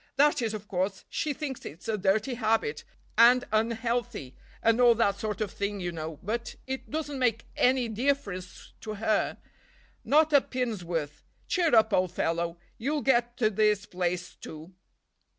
"That is, of course, she thinks it's a dirty habit, and unhealthy, and all that sort of thing, you know, but it doesn't make any difference to her—not a pin's worth. Cheer up, old fellow, you'll get to this place too."